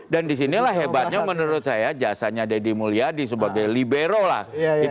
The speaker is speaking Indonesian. dan disinilah hebatnya menurut saya jasanya deddy mulyadi sebagai libero lah